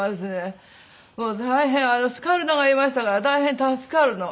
もう大変スカルノがいましたから大変助かるの。